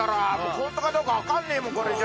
ホントかどうか分かんねえもんこれじゃ。